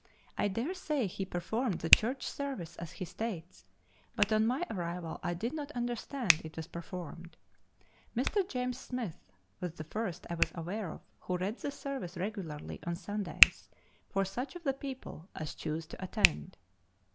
I dare say he performed the church service as he states, but on my arrival I did not understand it was performed. Mr. James Smith was the first I was aware of who read the service regularly on Sundays, for such of the people as chose to attend.